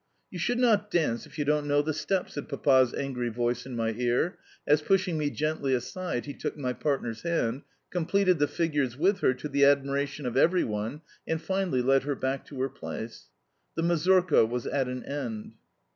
"You should not dance if you don't know the step," said Papa's angry voice in my ear as, pushing me gently aside, he took my partner's hand, completed the figures with her to the admiration of every one, and finally led her back to, her place. The mazurka was at an end.